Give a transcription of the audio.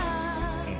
うん。